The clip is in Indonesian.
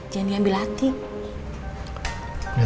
jangan diambil hati